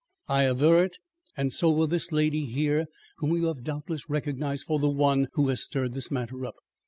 I aver it and so will this lady here whom you have doubtless recognised for the one who has stirred this matter up.